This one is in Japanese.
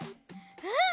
うん！